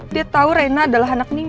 dia tau reina adalah anak nino